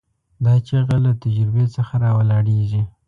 دا چیغه له تجربې څخه راولاړېږي.